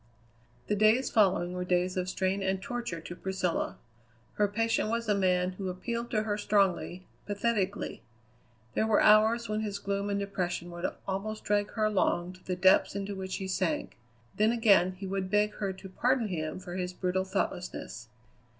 The days following were days of strain and torture to Priscilla. Her patient was a man who appealed to her strongly, pathetically. There were hours when his gloom and depression would almost drag her along to the depths into which he sank; then again he would beg her to pardon him for his brutal thoughtlessness.